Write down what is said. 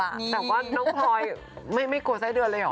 แต่ว่าน้องพลอยไม่กลัวไส้เดือนเลยเหรอ